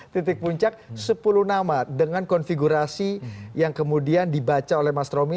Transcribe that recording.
titik puncak sepuluh nama dengan konfigurasi yang kemudian dibaca oleh mas romi